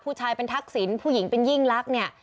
ผู้ชายเป็นทักษิณผู้หญิงเป็นยิ่งลักษณ์เนี่ย